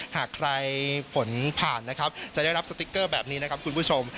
หากใครผลผ่านนะครับจะได้รับสติ๊กเกอร์แบบนี้นะครับคุณผู้ชม